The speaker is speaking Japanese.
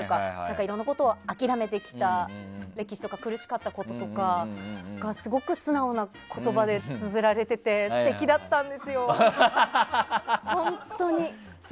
いろんなことを諦めてきた歴史とか苦しかったこととかがすごく素直な言葉でつづられてて素敵だったんですよ、本当に。